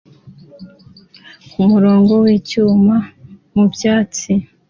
kumurongo wicyuma mubyatsi